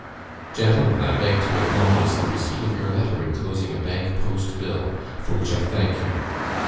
"Gentlemen, I beg to acknowledge the receipt of your letter inclosing a bank post bill, for which I thank you.